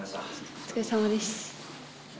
お疲れさまです。